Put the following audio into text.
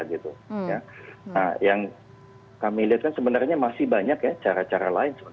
nah yang kami lihat kan sebenarnya masih banyak ya cara cara lain